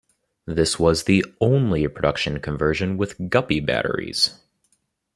This was the only production conversion with Guppy batteries.